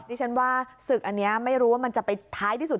ดิฉันว่าศึกอันนี้ไม่รู้ว่ามันจะไปท้ายที่สุด